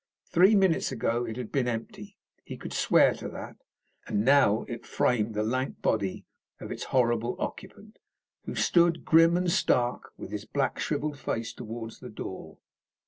Three minutes ago it had been empty. He could swear to that. Now it framed the lank body of its horrible occupant, who stood, grim and stark, with his black shrivelled face towards the door.